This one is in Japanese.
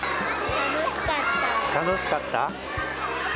楽しかった。